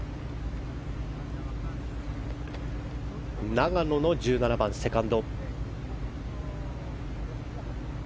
永野の１７番、セカンド。